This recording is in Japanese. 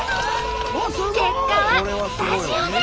結果はスタジオで。